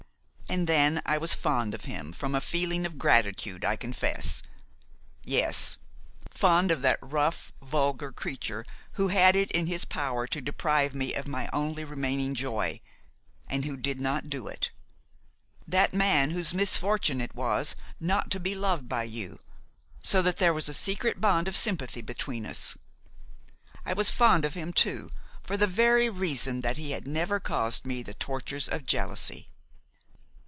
And then I was fond of him from a feeling of gratitude, I confess;–yes, fond of that rough, vulgar creature who had it in his power to deprive me of my only remaining joy, and who did not do it; that man whose misfortune it was not to be loved by you, so that there was a secret bond of sympathy between us! I was fond of him too for the very reason that he had never caused me the tortures of jealousy.